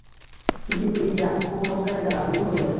কিন্তু এই জ্ঞান পূর্বসংস্কারের দ্বারা আবৃত রহিয়াছে।